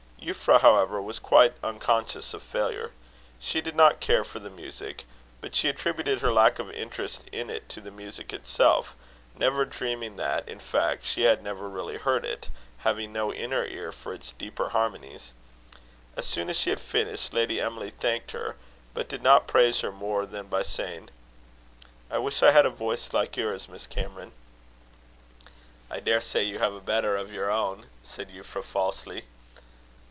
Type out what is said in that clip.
Euphra, however, was quite unconscious of failure. She did not care for the music; but she attributed her lack of interest in it to the music itself, never dreaming that, in fact, she had never really heard it, having no inner ear for its deeper harmonies. As soon as she had finished, Lady Emily thanked her, but did not praise her more than by saying: "I wish I had a voice like yours, Miss Cameron." "I daresay you have a better of your own," said Euphra, falsely.